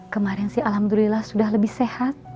kemarin sih alhamdulillah sudah lebih sehat